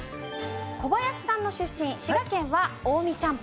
小林さんの出身滋賀県は近江ちゃんぽん。